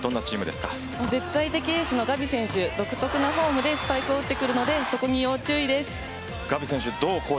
絶対的エースのガビ選手独特のフォームでスパイクを打ってくるのでガビ選手